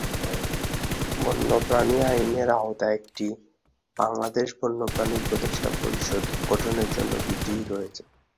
বন্যপ্রাণী আইনের আওতায় একটি "বাংলাদেশ বন্যপ্রাণী উপদেষ্টা পরিষদ" গঠনের জন্য বিধি রয়েছে।